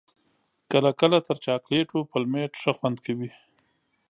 کله کله تر چاکلېټو پلمېټ ښه خوند کوي.